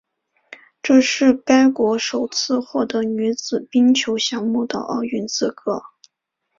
这是该国首次获得女子冰球项目的奥运资格。